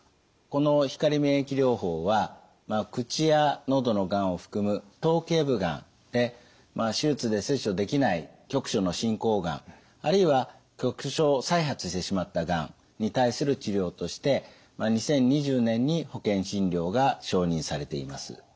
この光免疫療法は口や喉のがんを含む頭頸部がんで手術で切除できない局所の進行がんあるいは局所再発してしまったがんに対する治療として２０２０年に保険診療が承認されています。